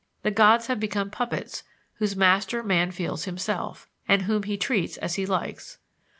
The gods have become puppets whose master man feels himself, and whom he treats as he likes.